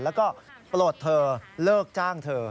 แล้วก็ปลดเธอเลิกจ้างเธอ